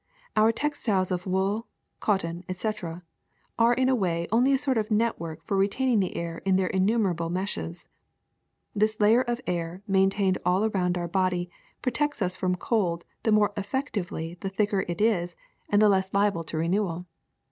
Our textiles of wool, cotton, etc., are in a way only a sort of network for retaining the air in their innumerable meshes. This layer of air main tained all round our body protects us from cold the more effectively the thicker it is and the less liable 90 THE SECRET OF EVERYDAY THINGS to renewal.